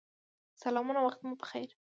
سلامونه وخت مو پخیر